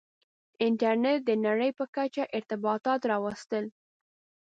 • انټرنېټ د نړۍ په کچه ارتباطات راوستل.